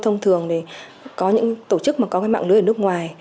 chúng tôi thông thường có những tổ chức có mạng lưới ở nước ngoài